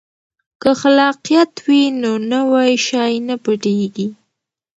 که خلاقیت وي نو نوی شی نه پټیږي.